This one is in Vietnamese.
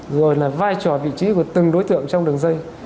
rồi là vai trò vị trí của từng đối tượng trong đường dây